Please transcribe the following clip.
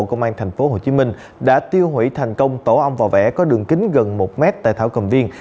công an tp hcm đã tiêu hủy thành công tổ ong vò vẻ có đường kính gần một m tại thảo cầm viên